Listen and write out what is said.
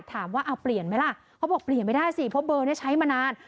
ถามว่าเอาเปลี่ยนไหมล่ะเขาบอกเปลี่ยนไม่ได้สิเพราะเบอร์นี้ใช้มานาน